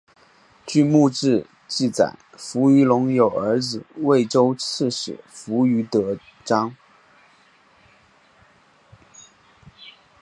据墓志记载扶余隆有儿子渭州刺史扶余德璋。